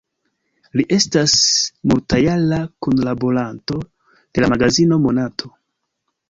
Li estas multjara kunlaboranto de la magazino "Monato".